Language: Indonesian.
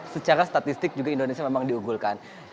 secara statistik juga indonesia memang diunggulkan